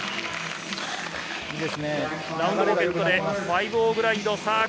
ラウンドポケットで５−０グラインド。